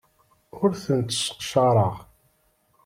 Ur tent-sseqcareɣ.